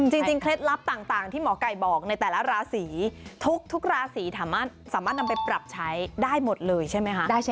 เคล็ดลับต่างที่หมอไก่บอกในแต่ละราศีทุกราศีสามารถนำไปปรับใช้ได้หมดเลยใช่ไหมคะ